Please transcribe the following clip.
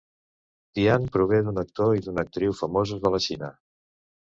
Tian prové d'un actor i d'una actriu famosos de la Xina.